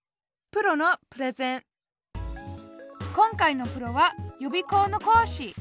今回のプロは予備校の講師。